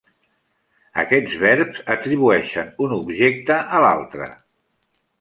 Aquests verbs atribueixen un objecte a l'altre.